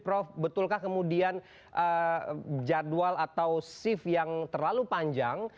prof betulkah kemudian jadwal atau shift yang terlalu panjang